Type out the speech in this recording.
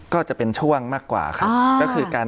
ก็จะเป็นช่วงมากกว่าค่ะ